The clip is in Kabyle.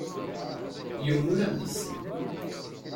Yiwen ur am-d-isell.